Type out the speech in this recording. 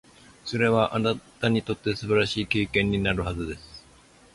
それは、あなたにとって素晴らしい経験になるはずです。